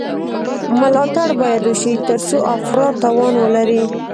ملاتړ باید وشي ترڅو افراد توان ولري.